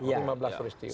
ya lima belas peristiwa